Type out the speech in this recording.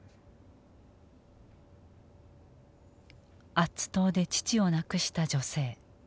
アッツ島で父を亡くした女性。